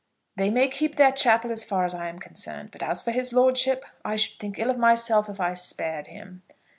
They may keep their chapel as far as I am concerned. But as for his lordship, I should think ill of myself if I spared him."